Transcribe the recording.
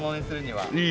はい。